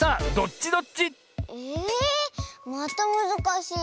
またむずかしい。